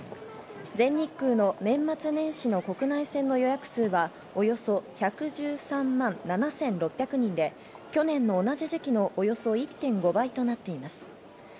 全日空の年末年始の国内線の予約数はおよそ１１３万７６００人で、去年の同じ時期のおよそ１．５倍となっています。